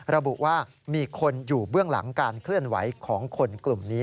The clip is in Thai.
ระบุว่ามีคนอยู่เบื้องหลังการเคลื่อนไหวของคนกลุ่มนี้